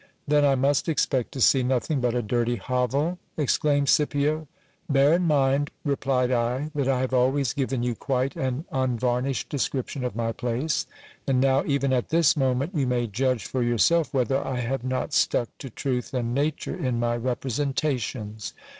Then I must expect to see nothing but a dirty hovel ! exclaimed Scipio. Bear in mind, replied I, that I have always given you quite an unvarnished description of my place ; and now, even at this moment, you may judge for yourself whether I have not stuck to truth and nature in my representations.